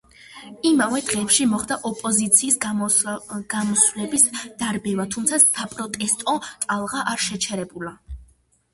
იმავე დღეებში მოხდა ოპოზიციის გამოსვლების დარბევა, თუმცა საპროტესტო ტალღა არ შეჩერებულა.